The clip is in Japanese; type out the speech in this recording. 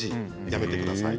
やめてください。